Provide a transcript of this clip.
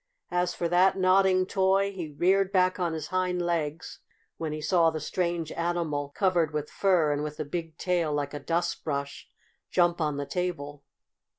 As for that nodding toy, he reared back on his hind legs when he saw the strange animal, covered with fur and with the big tail like a dustbrush, jump on the table.